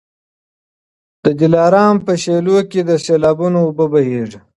د دلارام په شېلو کي د سېلابونو اوبه بهیږي.